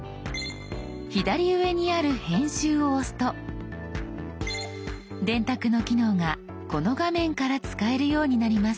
左上にある「編集」を押すと「電卓」の機能がこの画面から使えるようになります。